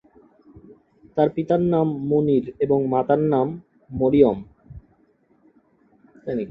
তার পিতার নাম মুনির এবং মাতার নাম মরিয়ম।